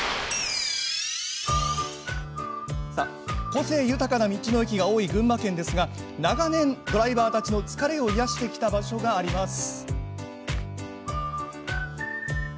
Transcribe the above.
個性豊かな道の駅が多い群馬県ですが長年、ドライバーたちの疲れを癒やしてきた場所があります。